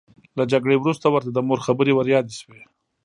له جګړې وروسته ورته د مور خبرې وریادې شوې